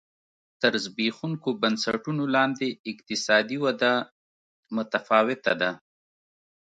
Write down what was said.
تر زبېښونکو بنسټونو لاندې اقتصادي وده متفاوته ده.